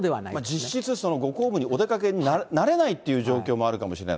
実質、ご公務にお出かけになれないという状況もあるかもしれない。